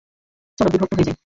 চলো বিভক্ত হয়ে যাই।